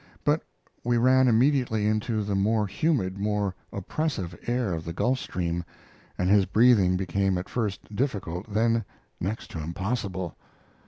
But we ran immediately into the more humid, more oppressive air of the Gulf Stream, and his breathing became at first difficult, then next to impossible.